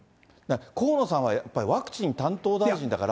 河野さんは、やっぱりワクチン担当大臣だから。